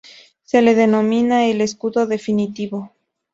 Se le denomina el "Escudo Definitivo".